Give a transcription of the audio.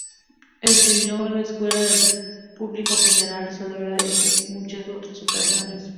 Enseñar la escuela al público general solo era una entre muchas otras opciones.